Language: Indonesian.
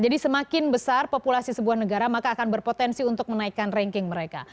jadi semakin besar populasi sebuah negara maka akan berpotensi untuk menaikkan ranking mereka